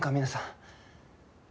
皆さん。